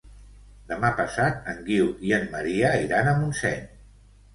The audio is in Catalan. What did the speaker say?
Demà passat en Guiu i en Maria iran a Montseny.